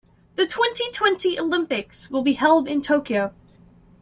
The twenty-twenty Olympics will be held in Tokyo.